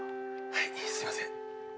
はいすいません。